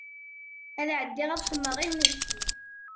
Ad ɛeddiɣ ad xedmeɣ imensi.